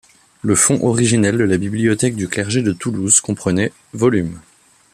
Le fonds originel de la Bibliothèque du Clergé de Toulouse comprenait volumes.